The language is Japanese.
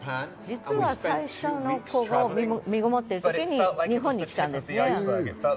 実は最初の子を身ごもっている時に日本に来たんですね。